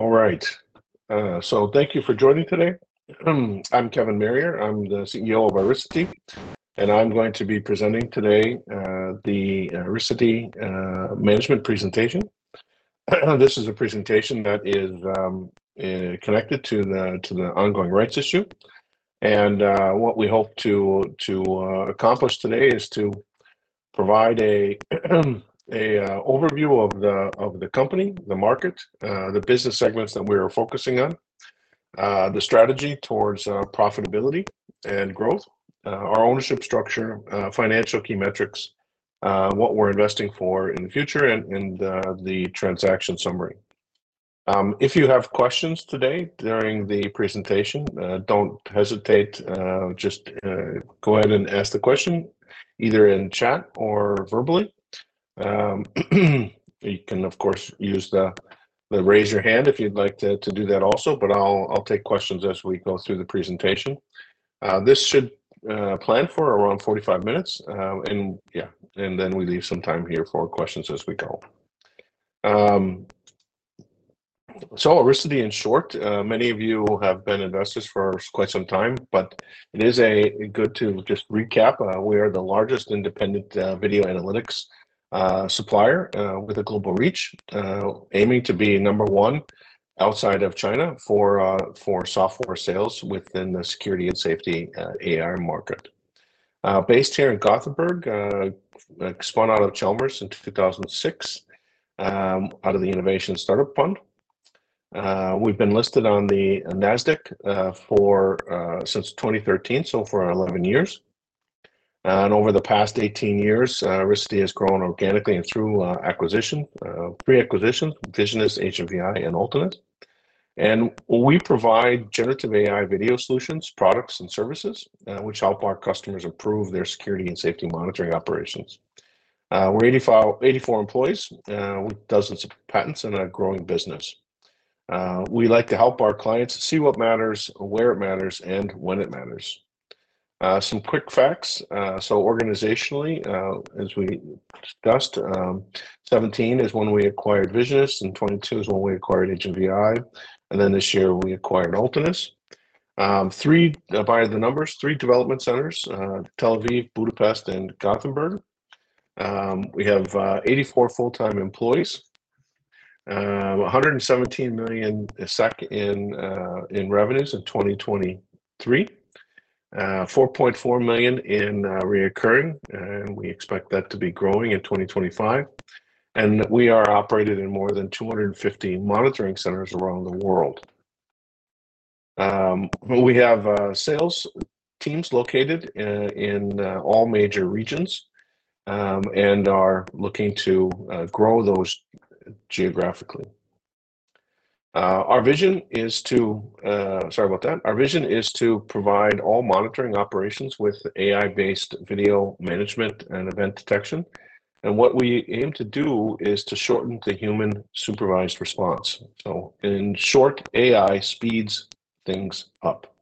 All right. So thank you for joining today. I'm Keven Marier. I'm the CEO of Irisity, and I'm going to be presenting today the Irisity Management Presentation. This is a presentation that is connected to the ongoing Rights Issue. And what we hope to accomplish today is to provide an overview of the company, the market, the business segments that we are focusing on, the strategy towards profitability and growth, our ownership structure, financial key metrics, what we're investing for in the future, and the transaction summary. If you have questions today during the presentation, don't hesitate. Just go ahead and ask the question either in chat or verbally. You can, of course, use the raise your hand if you'd like to do that also, but I'll take questions as we go through the presentation. This should plan for around 45 minutes. Yeah, and then we leave some time here for questions as we go. So Irisity, in short, many of you have been investors for quite some time, but it is good to just recap. We are the largest independent video analytics supplier with a global reach, aiming to be number one outside of China for software sales within the security and safety AI market. Based here in Gothenburg, spun out of Chalmers in 2006 out of the Innovation Startup Fund. We've been listed on the NASDAQ since 2013, so for 11 years. And over the past 18 years, Irisity has grown organically and through acquisitions, pre-acquisitions, Visionists, Agent VI, and Ultinous. And we provide generative AI video solutions, products, and services which help our customers improve their security and safety monitoring operations. We're 84 employees with dozens of patents and a growing business. We like to help our clients see what matters, where it matters, and when it matters. Some quick facts. So organizationally, as we discussed, 2017 is when we acquired Visionists, and 2022 is when we acquired HMVI. And then this year, we acquired Ultinous. Three by the numbers, three development centers: Tel Aviv, Budapest, and Gothenburg. We have 84 full-time employees, 117 million SEK in revenues in 2023, 4.4 million in recurring, and we expect that to be growing in 2025. And we are operated in more than 250 monitoring centers around the world. We have sales teams located in all major regions and are looking to grow those geographically. Our vision is to—sorry about that. Our vision is to provide all monitoring operations with AI-based video management and event detection. And what we aim to do is to shorten the human-supervised response. So in short, AI speeds things up.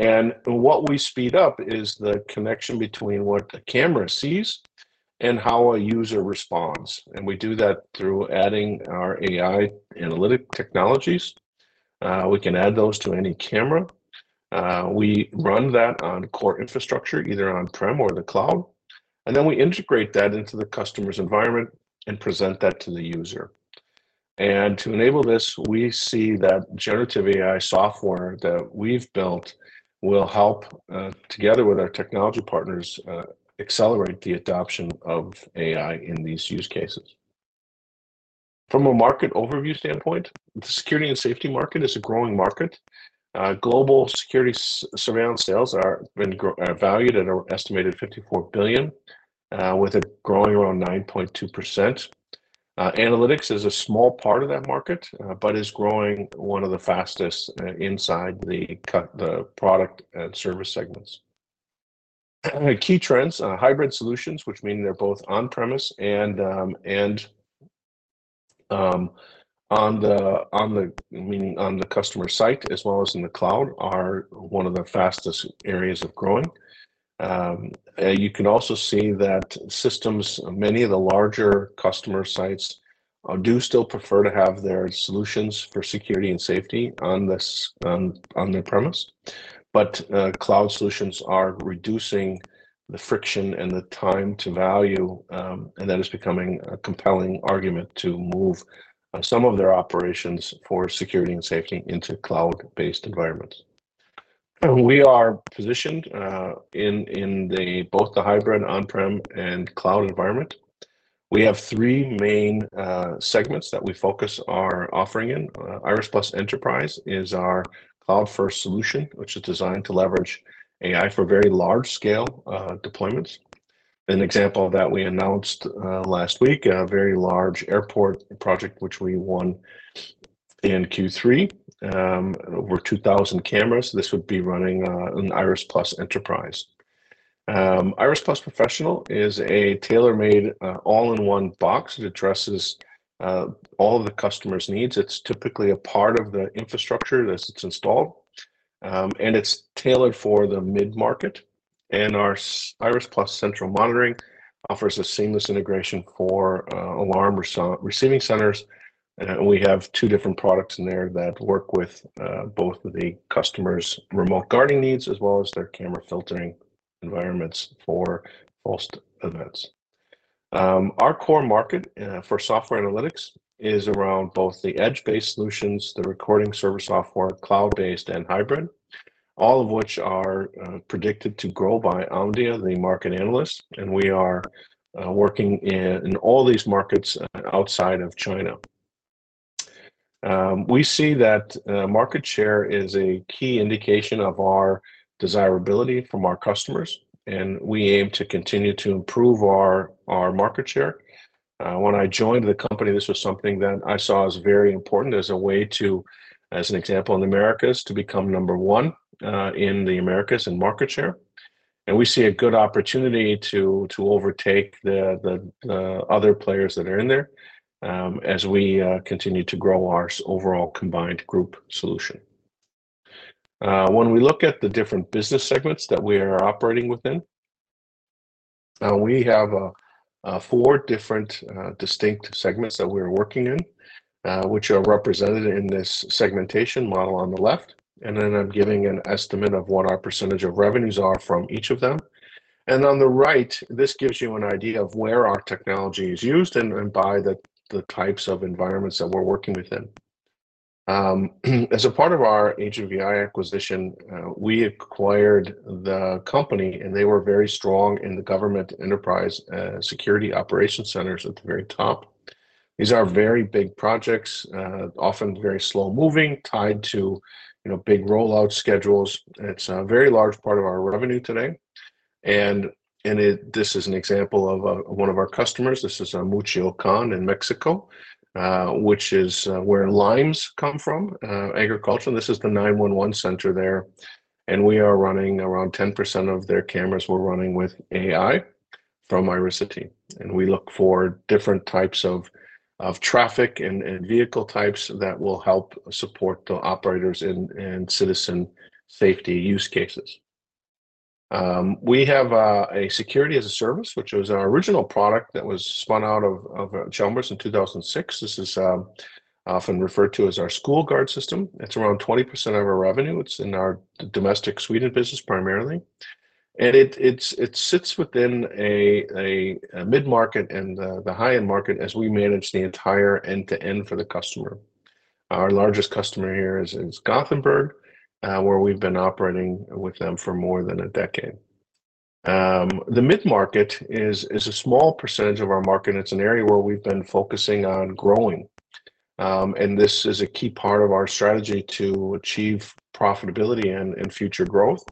And what we speed up is the connection between what the camera sees and how a user responds. And we do that through adding our AI analytic technologies. We can add those to any camera. We run that on core infrastructure, either On-Prem or the cloud. And then we integrate that into the customer's environment and present that to the user. And to enable this, we see that generative AI software that we've built will help, together with our technology partners, accelerate the adoption of AI in these use cases. From a market overview standpoint, the security and safety market is a growing market. Global security surveillance sales have been valued at an estimated $54 Billion, with it growing around 9.2%. Analytics is a small part of that market, but is growing one of the fastest inside the product and service segments. Key trends, hybrid solutions, which mean they're both on-premise and meaning on the customer site as well as in the Cloud, are one of the fastest areas of growth. You can also see that systems, many of the larger customer sites, do still prefer to have their solutions for security and safety on their premises. But Cloud solutions are reducing the friction and the time to value, and that is becoming a compelling argument to move some of their operations for security and safety into Cloud-based environments. We are positioned in both the hybrid, On-Prem, and Cloud environment. We have three main segments that we focus our offering in. Iris+ Enterprise is our Cloud-first solution, which is designed to leverage AI for very large-scale deployments. An example of that we announced last week, a very large airport project which we won in Q3, over 2,000 cameras. This would be running an Iris+ Enterprise. Iris+ Professional is a tailor-made all-in-one box that addresses all the customer's needs. It's typically a part of the infrastructure that's installed, and it's tailored for the mid-market. And our Iris+ Central Monitoring offers a seamless integration for alarm receiving centers. And we have two different products in there that work with both the customer's remote guarding needs as well as their camera filtering environments for most events. Our core market for software analytics is around both the edge-based solutions, the recording server software, Cloud-based, and hybrid, all of which are predicted to grow by Omdia, the market analyst. And we are working in all these markets outside of China. We see that market share is a key indication of our desirability from our customers. And we aim to continue to improve our market share. When I joined the company, this was something that I saw as very important as a way to, as an example, in the Americas, to become number one in the Americas in market share, and we see a good opportunity to overtake the other players that are in there as we continue to grow our overall combined group solution. When we look at the different business segments that we are operating within, we have four different distinct segments that we're working in, which are represented in this segmentation model on the left, and then I'm giving an estimate of what our percentage of revenues are from each of them, and on the right, this gives you an idea of where our technology is used and by the types of environments that we're working within. As a part of our Agent VI acquisition, we acquired the company, and they were very strong in the government enterprise security operations centers at the very top. These are very big projects, often very slow-moving, tied to big rollout schedules. It's a very large part of our revenue today. And this is an example of one of our customers. This is a Michoacán in Mexico, which is where limes come from, agriculture. This is the 911 Center there. And we are running around 10% of their cameras; we're running with AI from Irisity. And we look for different types of traffic and vehicle types that will help support the operators in citizen safety use cases. We have a Security as a Service, which was our original product that was spun out of Chalmers in 2006. This is often referred to as our School Guard system. It's around 20% of our revenue. It's in our domestic Sweden business primarily. And it sits within a mid-market and the high-end market as we manage the entire end-to-end for the customer. Our largest customer here is Gothenburg, where we've been operating with them for more than a decade. The mid-market is a small percentage of our market. It's an area where we've been focusing on growing. And this is a key part of our strategy to achieve profitability and future growth.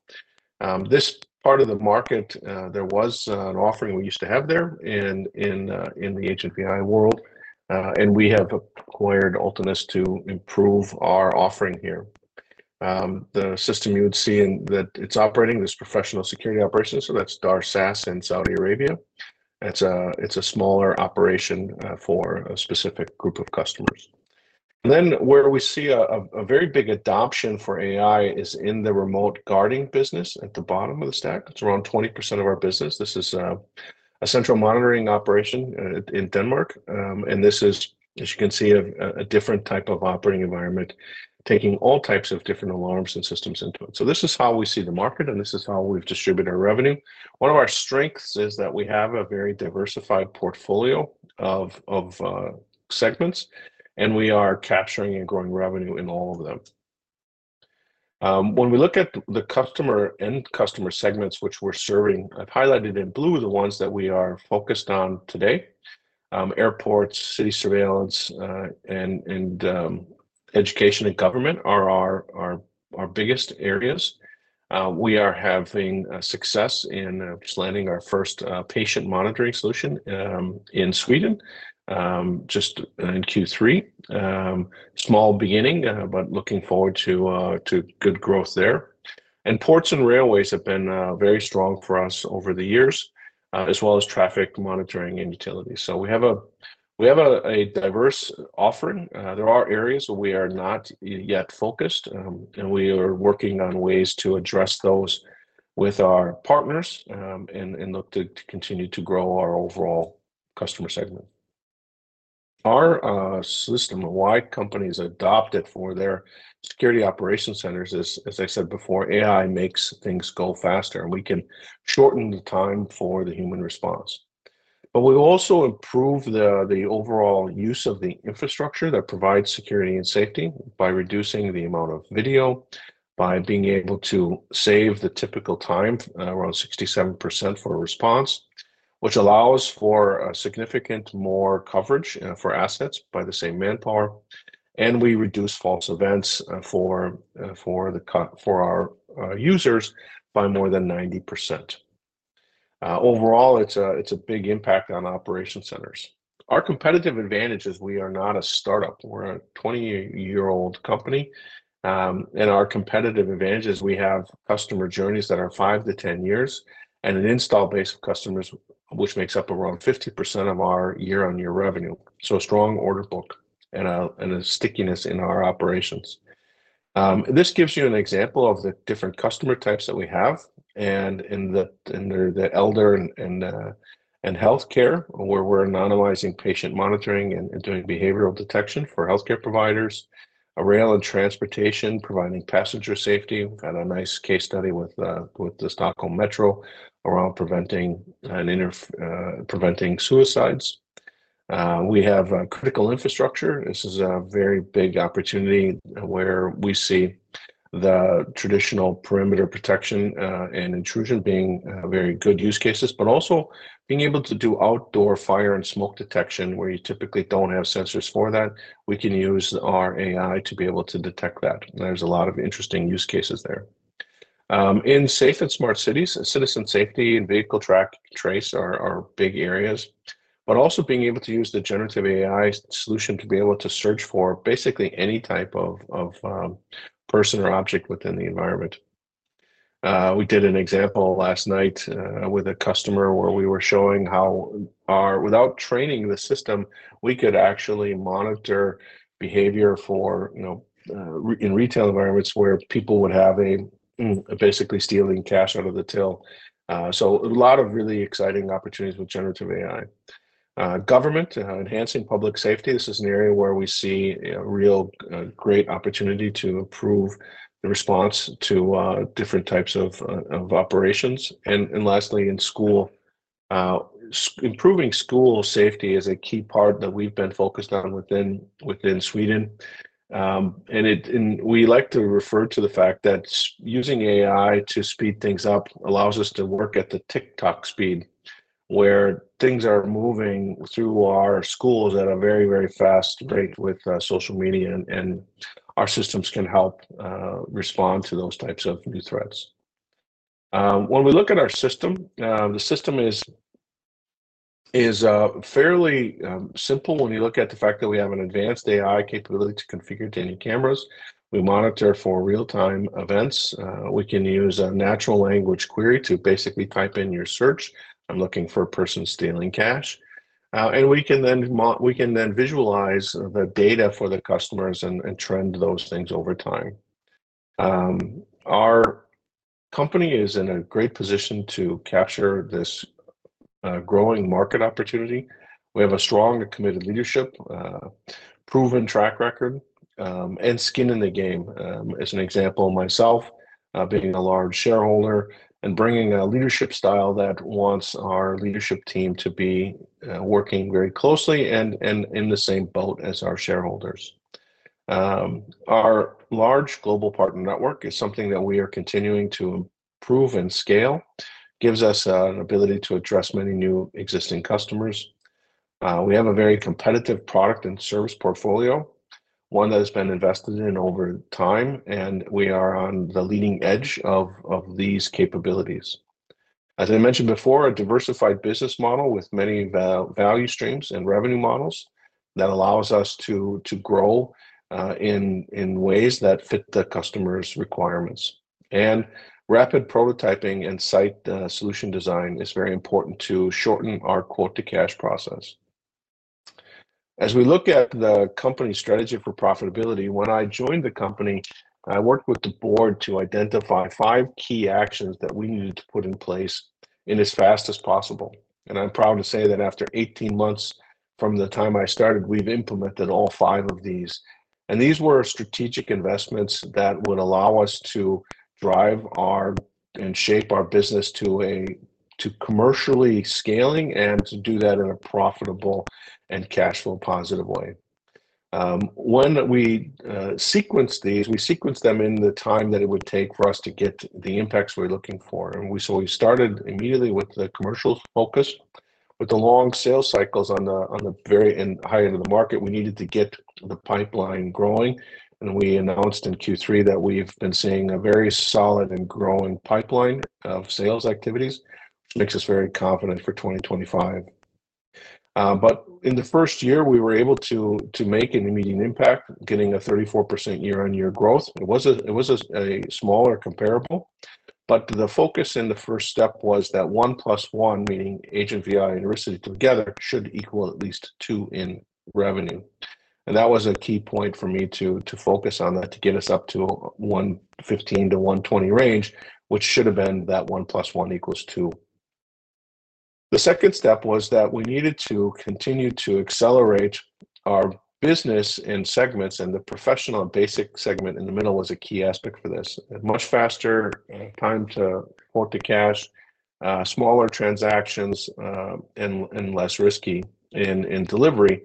This part of the market, there was an offering we used to have there in the Agent VI world. And we have acquired Ultinous to improve our offering here. The system you would see that it's operating is professional security operations. So that's SAAS in Saudi Arabia. It's a smaller operation for a specific group of customers. And then where we see a very big adoption for AI is in the remote guarding business at the bottom of the stack. It's around 20% of our business. This is a central monitoring operation in Denmark. And this is, as you can see, a different type of operating environment taking all types of different alarms and systems into it. So this is how we see the market, and this is how we've distributed our revenue. One of our strengths is that we have a very diversified portfolio of segments, and we are capturing and growing revenue in all of them. When we look at the customer and customer segments which we're serving, I've highlighted in blue the ones that we are focused on today. Airports, city surveillance, and education and government are our biggest areas. We are having success in landing our first patient monitoring solution in Sweden just in Q3. Small beginning, but looking forward to good growth there. And ports and railways have been very strong for us over the years, as well as traffic monitoring and utility. So we have a diverse offering. There are areas we are not yet focused, and we are working on ways to address those with our partners and look to continue to grow our overall customer segment. Our system, why companies adopt it for their security operation centers, is, as I said before, AI makes things go faster, and we can shorten the time for the human response. But we also improve the overall use of the infrastructure that provides security and safety by reducing the amount of video, by being able to save the typical time, around 67% for a response, which allows for significant more coverage for assets by the same manpower. And we reduce false events for our users by more than 90%. Overall, it's a big impact on operation centers. Our competitive advantages, we are not a startup. We're a 20-year-old company. And our competitive advantages, we have customer journeys that are five to 10 years and an install base of customers, which makes up around 50% of our year-on-year revenue. So strong order book and a stickiness in our operations. This gives you an example of the different customer types that we have. In eldercare and healthcare, where we're anonymizing patient monitoring and doing behavioral detection for healthcare providers, rail and transportation, providing passenger safety. We've had a nice case study with the Stockholm Metro around preventing suicides. We have critical infrastructure. This is a very big opportunity where we see the traditional perimeter protection and intrusion being very good use cases, but also being able to do outdoor fire and smoke detection, where you typically don't have sensors for that. We can use our AI to be able to detect that. There's a lot of interesting use cases there. In safe and smart cities, citizen safety and vehicle tracking are big areas, but also being able to use the generative AI solution to be able to search for basically any type of person or object within the environment. We did an example last night with a customer where we were showing how, without training the system, we could actually monitor behavior in retail environments where people would basically be stealing cash out of the till. So a lot of really exciting opportunities with generative AI. Government, enhancing public safety. This is an area where we see a real great opportunity to improve the response to different types of operations. And lastly, in school, improving school safety is a key part that we've been focused on within Sweden. And we like to refer to the fact that using AI to speed things up allows us to work at the TikTok speed, where things are moving through our schools at a very, very fast rate with social media, and our systems can help respond to those types of new threats. When we look at our system, the system is fairly simple when you look at the fact that we have an advanced AI capability to configure to any cameras. We monitor for real-time events. We can use a natural language query to basically type in your search: "I'm looking for a person stealing cash," and we can then visualize the data for the customers and trend those things over time. Our company is in a great position to capture this growing market opportunity. We have a strong and committed leadership, proven track record, and skin in the game. As an example, myself being a large shareholder and bringing a leadership style that wants our leadership team to be working very closely and in the same boat as our shareholders. Our large global partner network is something that we are continuing to improve and scale. It gives us an ability to address many new existing customers. We have a very competitive product and service portfolio, one that has been invested in over time, and we are on the leading edge of these capabilities. As I mentioned before, a diversified business model with many value streams and revenue models that allows us to grow in ways that fit the customer's requirements, and rapid prototyping and site solution design is very important to shorten our quote-to-cash process. As we look at the company strategy for profitability, when I joined the company, I worked with the board to identify five key actions that we needed to put in place as fast as possible, and I'm proud to say that after 18 months from the time I started, we've implemented all five of these. These were strategic investments that would allow us to drive our and shape our business to commercially scaling and to do that in a profitable and cash flow positive way. When we sequenced these, we sequenced them in the time that it would take for us to get the impacts we're looking for. So we started immediately with the commercial focus. With the long sales cycles on the very high end of the market, we needed to get the pipeline growing. We announced in Q3 that we've been seeing a very solid and growing pipeline of sales activities, which makes us very confident for 2025. In the first year, we were able to make an immediate impact, getting a 34% year-on-year growth. It was a smaller comparable. But the focus in the first step was that one plus one, meaning Agent VI and Irisity together, should equal at least two in revenue. And that was a key point for me to focus on that to get us up to the 115-120 range, which should have been that one plus one equals two. The second step was that we needed to continue to accelerate our business in segments, and the professional and basic segment in the middle was a key aspect for this. Much faster time to quote-to-cash, smaller transactions, and less risky in delivery,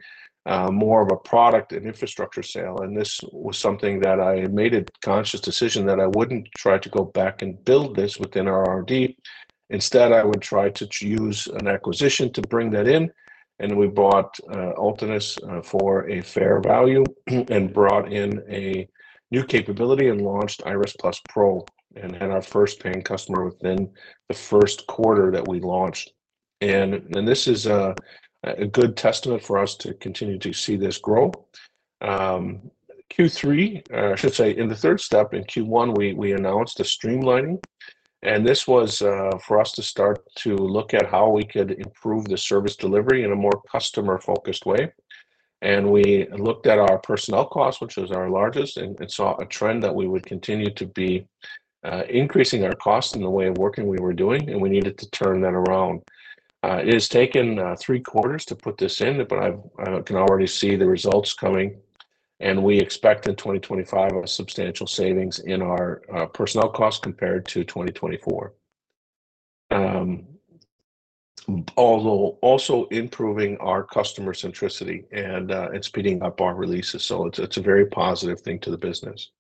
more of a product and infrastructure sale. And this was something that I made a conscious decision that I wouldn't try to go back and build this within our R&D. Instead, I would try to use an acquisition to bring that in. And we bought Ultinous for a fair value and brought in a new capability and launched Iris+ Pro and had our first paying customer within the first quarter that we launched. And this is a good testament for us to continue to see this grow. Q3, I should say, in the third step in Q1, we announced the streamlining. And this was for us to start to look at how we could improve the service delivery in a more customer-focused way. And we looked at our personnel costs, which is our largest, and saw a trend that we would continue to be increasing our costs in the way of working we were doing, and we needed to turn that around. It has taken three quarters to put this in, but I can already see the results coming. And we expect in 2025 a substantial savings in our personnel costs compared to 2024. Also improving our customer centricity and speeding up our releases. So it's a very positive thing to the business.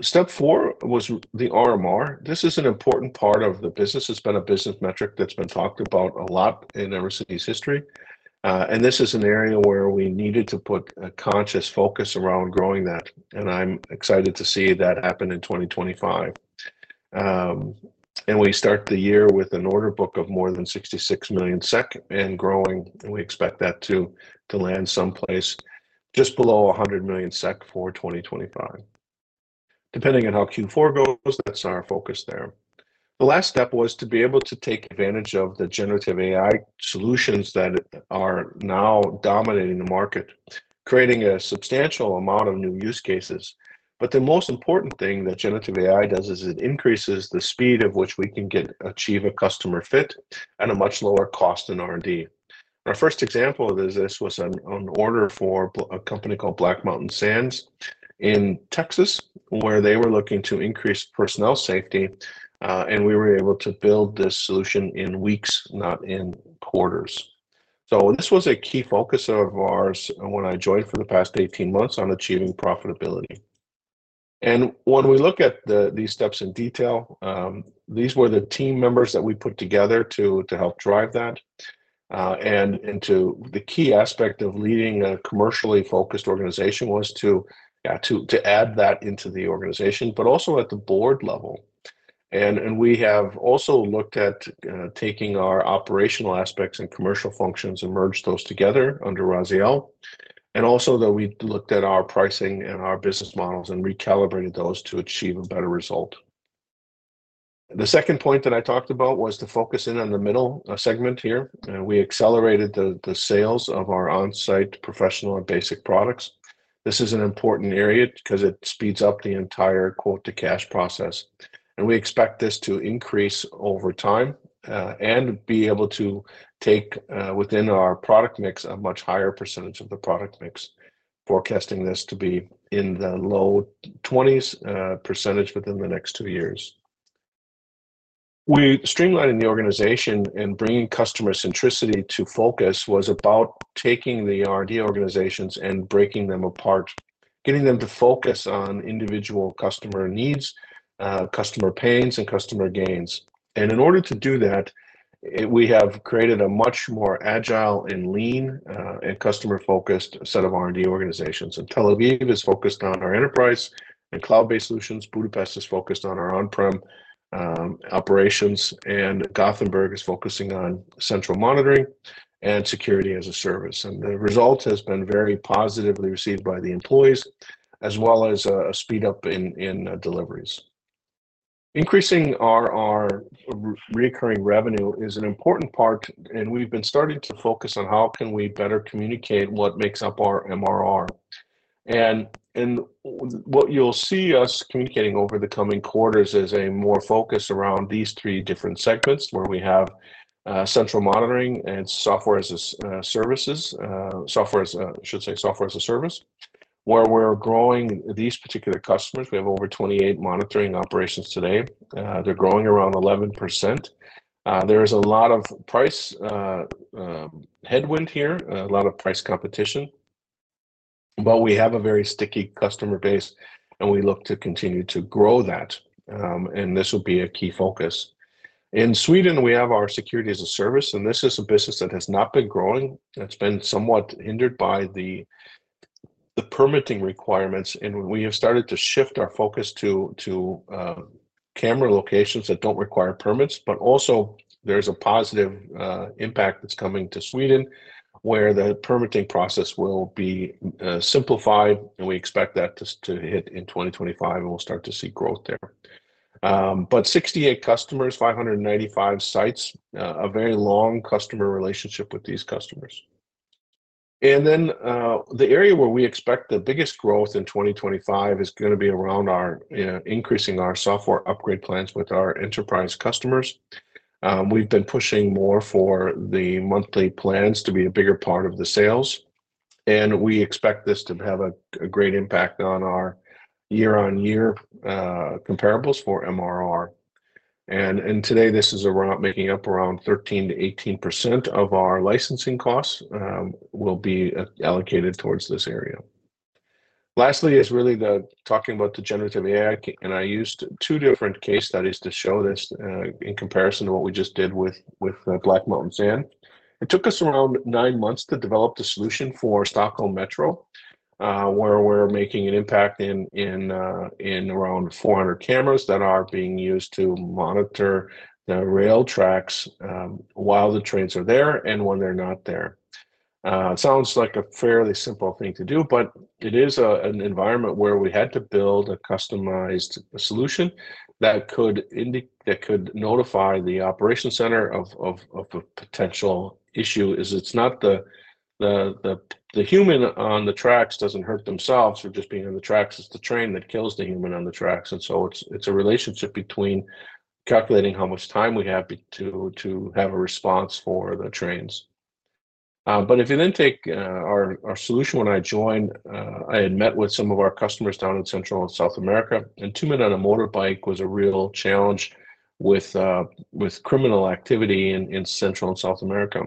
Step four was the MRR. This is an important part of the business. It's been a business metric that's been talked about a lot in Irisity's history. And this is an area where we needed to put a conscious focus around growing that. And I'm excited to see that happen in 2025. And we start the year with an order book of more than 66 million SEK and growing. And we expect that to land someplace just below 100 million SEK for 2025. Depending on how Q4 goes, that's our focus there. The last step was to be able to take advantage of the generative AI solutions that are now dominating the market, creating a substantial amount of new use cases. But the most important thing that generative AI does is it increases the speed at which we can achieve a customer fit at a much lower cost in R&D. Our first example of this was an order for a company called Black Mountain Sand in Texas, where they were looking to increase personnel safety. And we were able to build this solution in weeks, not in quarters. So this was a key focus of ours when I joined for the past 18 months on achieving profitability. And when we look at these steps in detail, these were the team members that we put together to help drive that. The key aspect of leading a commercially focused organization was to add that into the organization, but also at the board level. We have also looked at taking our operational aspects and commercial functions and merged those together under Raziel. Also that we looked at our pricing and our business models and recalibrated those to achieve a better result. The second point that I talked about was to focus in on the middle segment here. We accelerated the sales of our on-premise professional and basic products. This is an important area because it speeds up the entire quote-to-cash process. We expect this to increase over time and be able to take within our product mix a much higher percentage of the product mix, forecasting this to be in the low 20s% within the next two years. We streamlined the organization and bringing customer centricity to focus was about taking the R&D organizations and breaking them apart, getting them to focus on individual customer needs, customer pains, and customer gains, and in order to do that, we have created a much more agile and lean and customer-focused set of R&D organizations, and Tel Aviv is focused on our enterprise and Cloud-based solutions. Budapest is focused on our on-prem operations, and Gothenburg is focusing on central monitoring and Security as a Service, and the result has been very positively received by the employees, as well as a speed up in deliveries. Increasing our recurring revenue is an important part, and we've been starting to focus on how can we better communicate what makes up our MRR. What you'll see us communicating over the coming quarters is a more focus around these three different segments where we have central monitoring and software as a services, software as, I should say, software as a service, where we're growing these particular customers. We have over 28 monitoring operations today. They're growing around 11%. There is a lot of price headwind here, a lot of price competition, but we have a very sticky customer base, and we look to continue to grow that. This will be a key focus. In Sweden, we have our Security as a Service, and this is a business that has not been growing. It's been somewhat hindered by the permitting requirements, and we have started to shift our focus to camera locations that don't require permits. But also, there's a positive impact that's coming to Sweden, where the permitting process will be simplified, and we expect that to hit in 2025, and we'll start to see growth there. But 68 customers, 595 sites, a very long customer relationship with these customers. And then the area where we expect the biggest growth in 2025 is going to be around increasing our software upgrade plans with our enterprise customers. We've been pushing more for the monthly plans to be a bigger part of the sales. And we expect this to have a great impact on our year-on-year comparables for MRR. And today, this is around making up around 13%-18% of our licensing costs will be allocated towards this area. Lastly, is really the talking about the generative AI, and I used two different case studies to show this in comparison to what we just did with Black Mountain Sand. It took us around nine months to develop the solution for Stockholm Metro, where we're making an impact in around 400 cameras that are being used to monitor the rail tracks while the trains are there and when they're not there. Sounds like a fairly simple thing to do, but it is an environment where we had to build a customized solution that could notify the operations center of a potential issue. It's not the human on the tracks doesn't hurt themselves. We're just being on the tracks. It's the train that kills the human on the tracks. And so it's a relationship between calculating how much time we have to have a response for the trains. But if you then take our solution, when I joined, I had met with some of our customers down in Central and South America. Two men on a motorbike was a real challenge with criminal activity in Central and South America.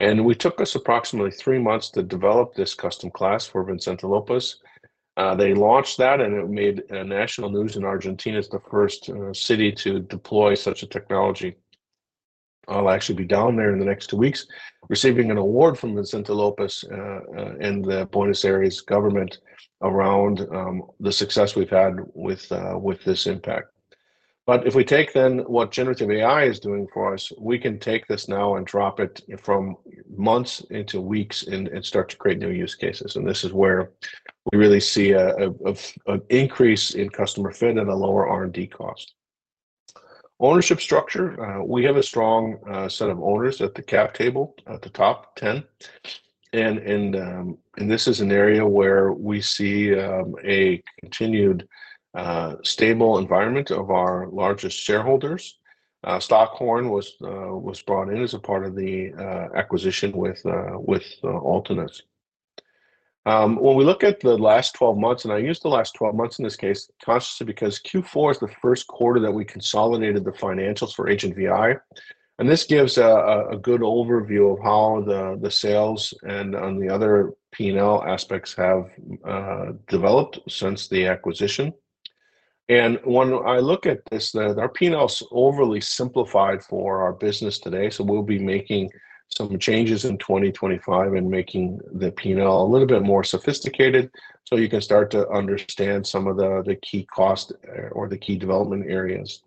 We took us approximately three months to develop this custom class for Vicente López. They launched that, and it made national news in Argentina. It's the first city to deploy such a technology. I'll actually be down there in the next two weeks, receiving an award from Vicente López and the Buenos Aires government around the success we've had with this impact. If we take then what generative AI is doing for us, we can take this now and drop it from months into weeks and start to create new use cases. This is where we really see an increase in customer fit and a lower R&D cost. Ownership structure. We have a strong set of owners at the Cap Table, at the top 10. This is an area where we see a continued stable environment of our largest shareholders. Stockhorn was brought in as a part of the acquisition with Ultinous. When we look at the last 12 months, and I used the last 12 months in this case consciously because Q4 is the first quarter that we consolidated the financials for Agent VI. When I look at this, our P&L is overly simplified for our business today. We'll be making some changes in 2025 and making the P&L a little bit more sophisticated so you can start to understand some of the key costs or the key development areas.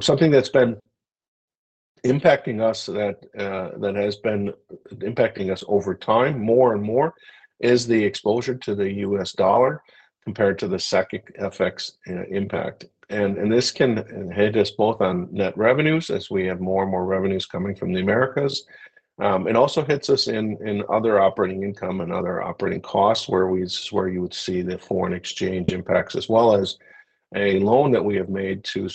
Something that's been impacting us that has been impacting us over time more and more is the exposure to the U.S. Dollar compared to the SEK Effects Impact. This can hit us both on net revenues as we have more and more revenues coming from the Americas. It also hits us in other operating income and other operating costs where you would see the foreign exchange impacts, as well as a loan that we have made to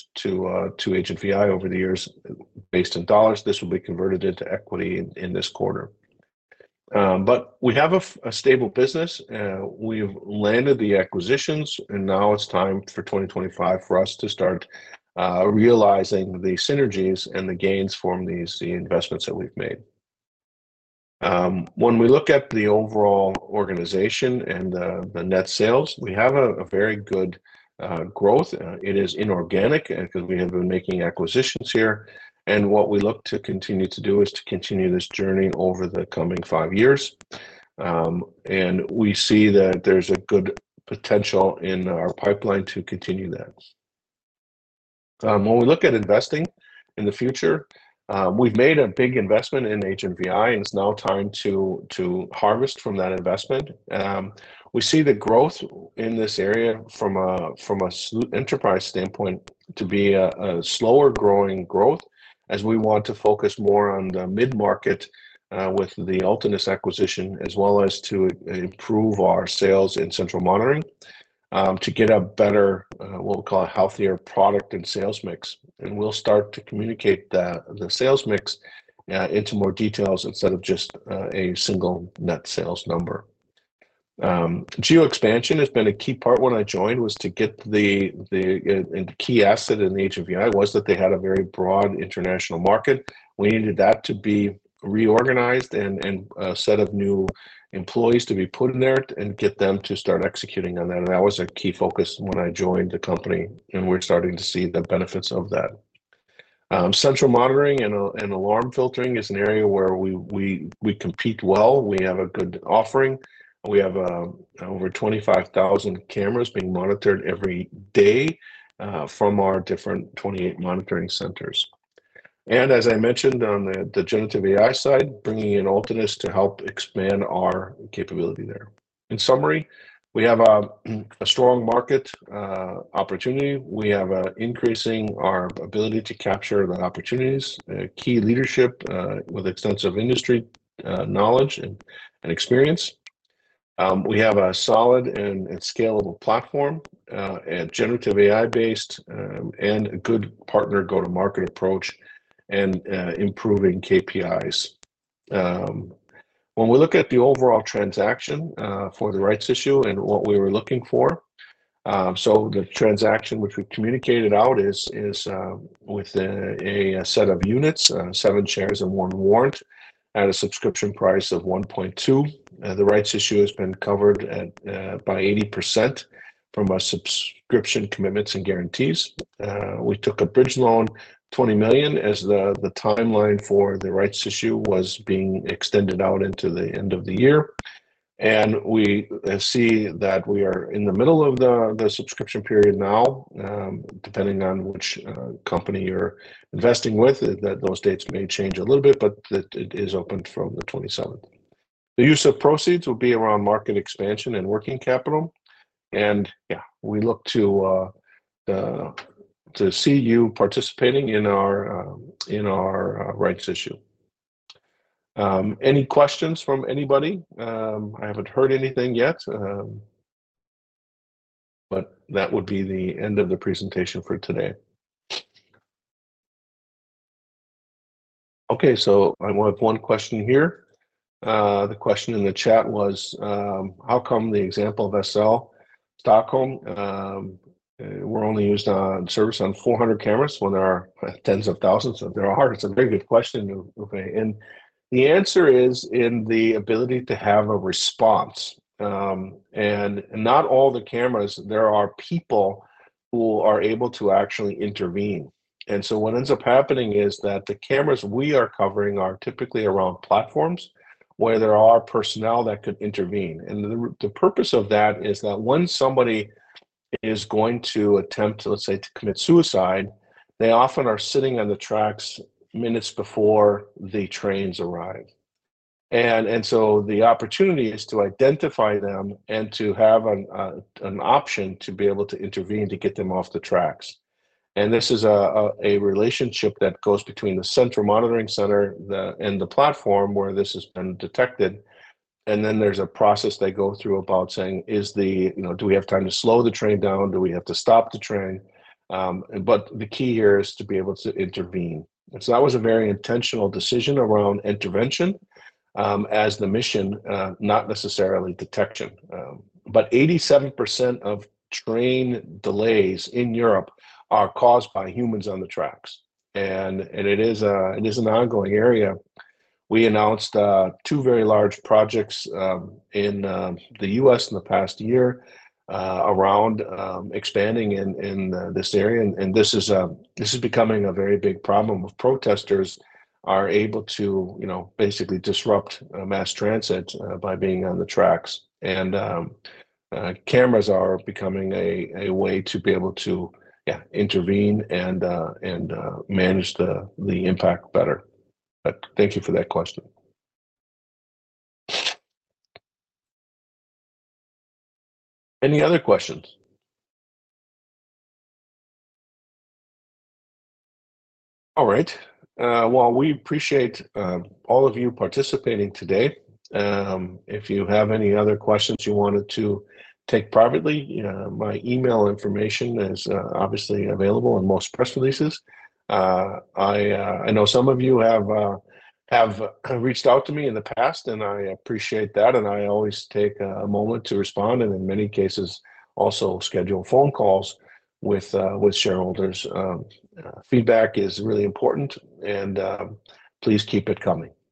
Agent VI over the years based in dollars. This will be converted into equity in this quarter. We have a stable business. We've landed the acquisitions, and now it's time for 2025 for us to start realizing the synergies and the gains from the investments that we've made. When we look at the overall organization and the net sales, we have a very good growth. It is inorganic because we have been making acquisitions here, and what we look to continue to do is to continue this journey over the coming five years, and we see that there's a good potential in our pipeline to continue that. When we look at investing in the future, we've made a big investment in HMVI, and it's now time to harvest from that investment. We see the growth in this area from an enterprise standpoint to be a slower growing growth as we want to focus more on the mid-market with the Ultinous acquisition, as well as to improve our sales in central monitoring to get a better, what we call, a healthier product and sales mix. And we'll start to communicate the sales mix into more details instead of just a single net sales number. Geo expansion has been a key part when I joined was to get the key asset in the Agent VI was that they had a very broad international market. We needed that to be reorganized and a set of new employees to be put in there and get them to start executing on that. And that was a key focus when I joined the company, and we're starting to see the benefits of that. Central monitoring and alarm filtering is an area where we compete well. We have a good offering. We have over 25,000 cameras being monitored every day from our different 28 monitoring centers, and as I mentioned on the generative AI side, bringing in Ultinous to help expand our capability there. In summary, we have a strong market opportunity. We have an increase in our ability to capture the opportunities, key leadership with extensive industry knowledge and experience. We have a solid and scalable platform, a generative AI-based and good partner go-to-market approach, and improving KPIs. When we look at the overall transaction for the Rights Issue and what we were looking for, so the transaction which we communicated out is with a set of units, seven shares and one warrant at a subscription price of 1.2. The Rights Issue has been covered by 80% from our subscription commitments and guarantees. We took a bridge loan, 20 million, as the timeline for the Rights Issue was being extended out into the end of the year. And we see that we are in the middle of the subscription period now. Depending on which company you're investing with, those dates may change a little bit, but it is open from the 27th. The use of proceeds will be around market expansion and working capital. And yeah, we look to see you participating in our Rights Issue. Any questions from anybody? I haven't heard anything yet, but that would be the end of the presentation for today. Okay, so I have one question here. The question in the chat was, how come the example of SL Stockholm? We're only used on service on 400 cameras when there are tens of thousands. There are. It's a very good question. The answer is in the ability to have a response. And not all the cameras, there are people who are able to actually intervene. And so what ends up happening is that the cameras we are covering are typically around platforms where there are personnel that could intervene. And the purpose of that is that when somebody is going to attempt to, let's say, to commit suicide, they often are sitting on the tracks minutes before the trains arrive. And so the opportunity is to identify them and to have an option to be able to intervene to get them off the tracks. And this is a relationship that goes between the central monitoring center and the platform where this has been detected. And then there's a process they go through about saying, "Do we have time to slow the train down? Do we have to stop the train?" But the key here is to be able to intervene. And so that was a very intentional decision around intervention as the mission, not necessarily detection. But 87% of train delays in Europe are caused by humans on the tracks. And it is an ongoing area. We announced two very large projects in the U.S. in the past year around expanding in this area. And this is becoming a very big problem with protesters are able to basically disrupt mass transit by being on the tracks. And cameras are becoming a way to be able to intervene and manage the impact better. But thank you for that question. Any other questions? All right. Well, we appreciate all of you participating today. If you have any other questions you wanted to take privately, my email information is obviously available in most press releases. I know some of you have reached out to me in the past, and I appreciate that, and I always take a moment to respond, and in many cases, also schedule phone calls with shareholders. Feedback is really important, and please keep it coming.